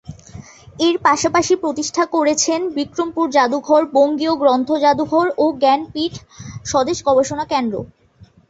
এর পাশাপাশি প্রতিষ্ঠা করেছেন বিক্রমপুর জাদুঘর, বঙ্গীয় গ্রন্থ জাদুঘর ও জ্ঞানপীঠ স্বদেশ গবেষণা কেন্দ্র।